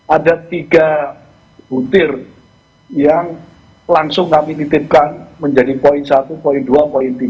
ada tiga butir yang langsung kami nitipkan menjadi poin satu poin dua poin tiga